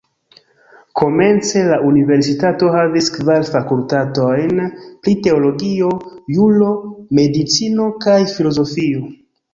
Komence, la universitato havis kvar fakultatojn pri teologio, juro, medicino kaj filozofio.